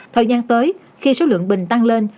thời gian tới khi số lượng bình tăng lên